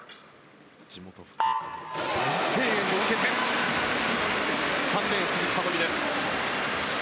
地元・福岡の大声援を受けて３レーン、鈴木聡美です。